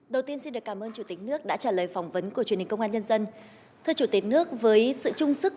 đầu tiên xin được cảm ơn chủ tịch nước đã trả lời phỏng vấn của truyền hình công an nhân dân